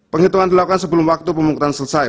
penghitungan dilakukan sebelum waktu pemungutan selesai